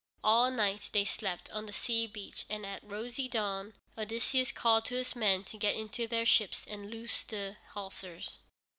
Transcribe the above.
All night they slept on the sea beach, and at rosy dawn Odysseus called to his men to get into their ships and loose the hawsers.